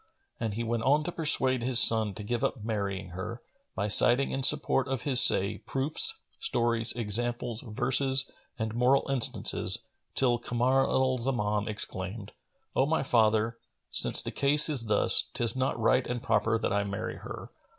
And he went on to persuade his son to give up marrying her, by citing in support of his say, proofs, stories, examples, verses and moral instances, till Kamar al Zaman exclaimed, "O my father, since the case is thus, 'tis not right and proper that I marry her."